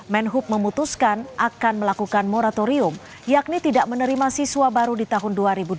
menhub memutuskan akan melakukan moratorium yakni tidak menerima siswa baru di tahun dua ribu dua puluh